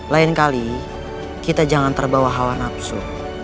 lain kali kita jangan terbawa hawa nafsu